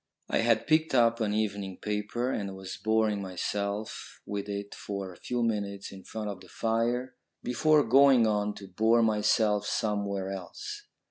I had picked up an evening paper, and was boring myself with it for a few minutes in front of the fire, before going on to bore myself somewhere else.